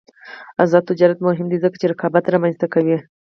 آزاد تجارت مهم دی ځکه چې رقابت رامنځته کوي.